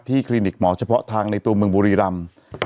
คลินิกหมอเฉพาะทางในตัวเมืองบุรีรำ